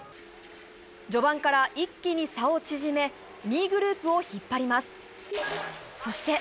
序盤から一気に差を縮め、２位グループを引っ張ります。